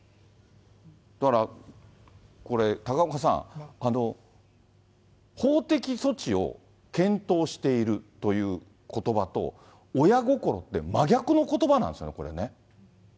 だから、これ、高岡さん、法的措置を検討しているということばと、親心って真逆のことばなんですね、これね。